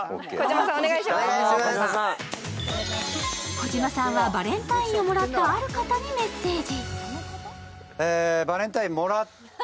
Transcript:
児嶋さんはバレンタインをもらった、ある方にメッセージ。